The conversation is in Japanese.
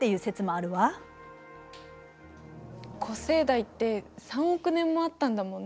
古生代って３億年もあったんだもんね。